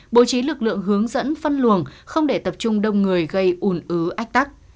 bố trí lực lượng hướng dẫn phân luồng không để tập trung đông người gây ủn ứ ách tắc